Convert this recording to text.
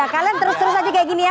kalian terus terus aja kayak gini ya